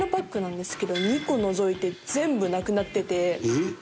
えっ！